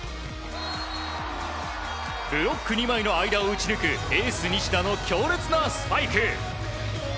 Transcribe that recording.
ブロック２枚の間を打ち抜くエース西田の強烈なスパイク。